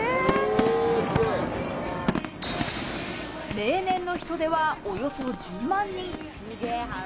例年の人出はおよそ１０万人。